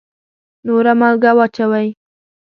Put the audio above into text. نوره مالګه واچوئ